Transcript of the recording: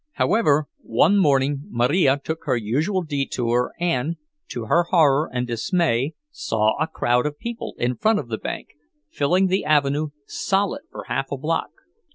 However, one morning Marija took her usual detour, and, to her horror and dismay, saw a crowd of people in front of the bank, filling the avenue solid for half a block.